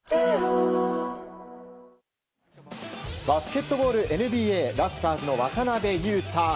バスケットボールＮＢＡラプターズの渡邊雄太。